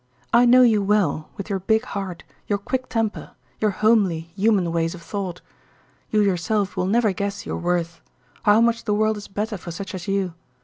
I know you well, with your big heart, your quick temper, your homely, human ways of thought. You yourself will never guess your worth—how much the world is better for such as you!